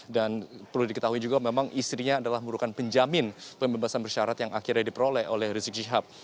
dan perlu diketahui juga memang istrinya adalah muridkan penjamin pembebasan bersyarat yang akhirnya diperoleh oleh rizik syihab